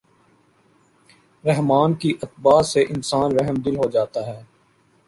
رحمٰن کی اتباع سے انسان رحمدل ہو جاتا ہے۔